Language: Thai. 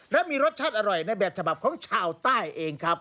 และมีรสชาติอร่อยในแบบฉบับของชาวใต้เองครับ